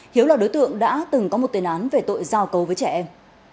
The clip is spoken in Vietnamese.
hiếu là đối tượng đã từng có một tên án về tội giao cấu với trẻ em